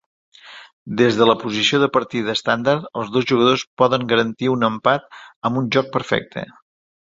Des de la posició de partida estàndard, els dos jugadors poden garantir un empat amb un joc perfecte.